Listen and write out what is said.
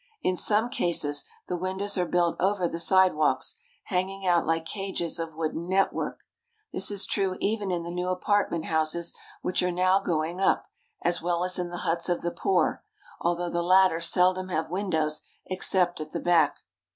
In some cases the windows are built over the sidewalks, hanging out like cages of wooden network. This is true even in the new apartment houses which are now going up, as well as in the huts of the poor, al though the latter seldom have windows except at the back.